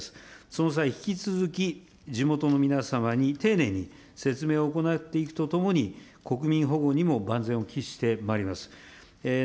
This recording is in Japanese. その際、引き続き地元の皆様に丁寧に説明を行っていくとともに、国民保護にも万全を期してまいります。